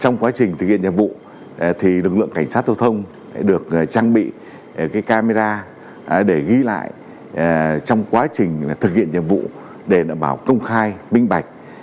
trong quá trình thực hiện nhiệm vụ lực lượng cảnh sát giao thông được trang bị camera để ghi lại trong quá trình thực hiện nhiệm vụ để đảm bảo công khai minh bạch